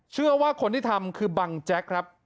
เชื่อว่าคนที่ทำคือบังแจ๊กครับ